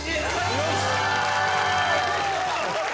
よし！